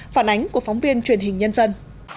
phản ánh của phóng viên truyền hình nhân dân